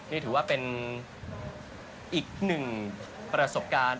นี่ถือว่าเป็นอีกหนึ่งประสบการณ์